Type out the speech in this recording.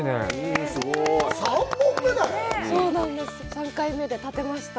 ３回目で立てました。